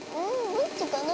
どっちかな？